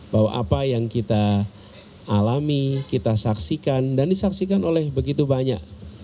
bahwa apa yang kita alami kita saksikan dan disaksikan oleh begitu banyak